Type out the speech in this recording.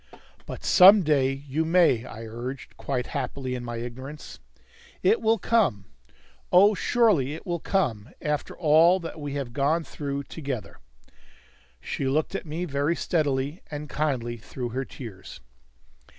"But some day you may," I urged, quite happily in my ignorance. "It will come. Oh, surely it will come, after all that we have gone through together!" She looked at me very steadily and kindly through her tears.